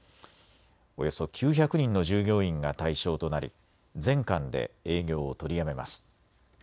およそ９００人の従業員が対象となり全館で営業を取りやめます。